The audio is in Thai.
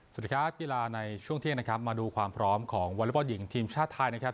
สวัสดีครับกีฬาในช่วงเที่ยงนะครับมาดูความพร้อมของวอเล็กบอลหญิงทีมชาติไทยนะครับ